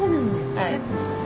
はい。